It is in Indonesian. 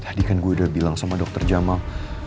tadi kan gue udah bilang sama dokter jamal